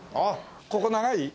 ここ長い？